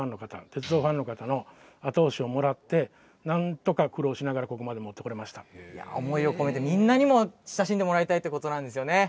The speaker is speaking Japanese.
鉄道ファンの方の後押しをもらってなんとか苦労しながらここまで思いを込めてみんなにも親しんでほしいということなんですよね。